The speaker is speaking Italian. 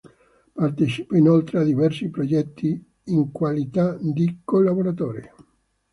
Partecipa inoltre a diversi progetti in qualità di collaboratore.